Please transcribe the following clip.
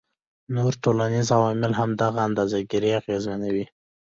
نور ټولنیز عوامل هم دغه اندازه ګيرۍ اغیزمنوي